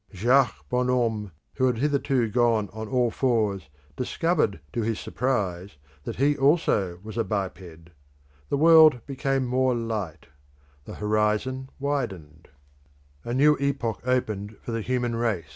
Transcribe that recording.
Jacques Bonhomme, who had hitherto gone on all fours, discovered to his surprise that he also was a biped; the world became more light; the horizon widened; a new epoch opened for the human race.